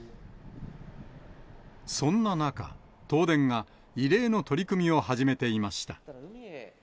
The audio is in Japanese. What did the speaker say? そんな中、東電が異例の取り組みを始めていました。